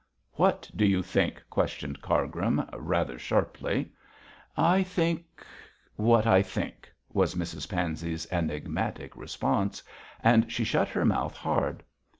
'What do you think?' questioned Cargrim, rather sharply. 'I think what I think,' was Mrs Pansey's enigmatic response; and she shut her mouth hard.